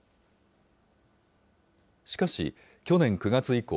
しかし、去年９月以降、